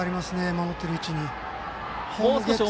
守っている位置に。